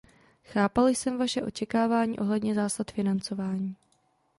Chápal jsem vaše očekávání ohledně zásad financování.